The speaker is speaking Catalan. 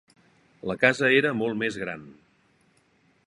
La casa era molt més gran.